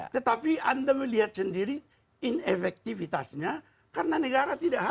tetapi anda melihat sendiri inefektifitasnya karena negara tidak hadir